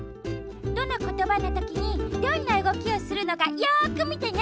どのことばのときにどんなうごきをするのかよくみてね。